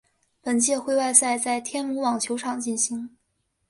本届会外赛在天母网球场进行。